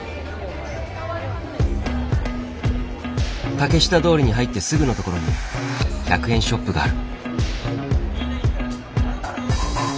竹下通りに入ってすぐの所に１００円ショップがある。